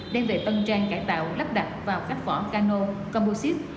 đem về tân trang cải tạo lắp đặt vào khách phỏ cano composite